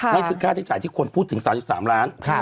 นี่คือค่าใช้จ่ายที่คนพูดถึง๓๓ล้าน